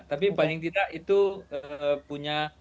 tapi paling tidak itu punya